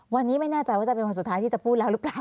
วันนี้ไม่แน่ใจว่าจะเป็นวันสุดท้ายที่จะพูดแล้วหรือเปล่า